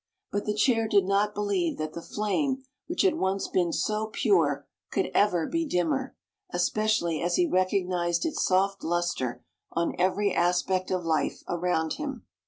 But the Chair did not believe that the flame which had once been so pure could ever be dimmer, especially as he recognized its soft lustre on every aspect of life around him.